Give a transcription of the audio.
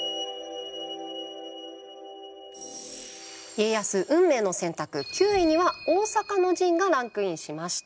家康運命の選択９位には大坂の陣がランクインしました。